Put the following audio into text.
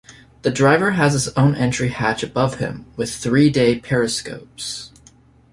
The driver has his own entry hatch above him, with three day periscopes.